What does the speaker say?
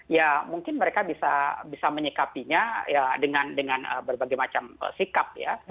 ya mungkin mereka bisa menyikapinya dengan berbagai macam sikap ya